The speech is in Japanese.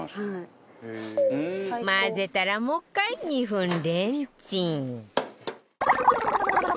混ぜたらもう１回２分レンチン